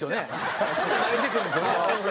ほんなら慣れてくるんですよね。